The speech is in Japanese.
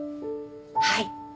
はい。